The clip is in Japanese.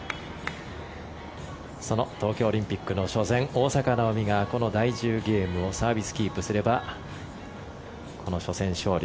その東京オリンピックの初戦、大坂なおみがこの第１０ゲームをサービスキープすればこの初戦、勝利。